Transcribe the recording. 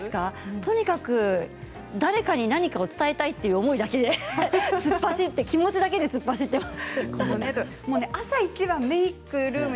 とにかく誰かに何かを伝えたいという思いだけで突っ走って気持ちだけで突っ走っています。